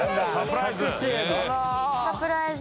サプライズ！